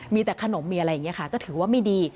มีแต่ขนมมีอะไรอย่างนี้ค่ะก็ถือว่าไม่ดี